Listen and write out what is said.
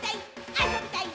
あそびたい！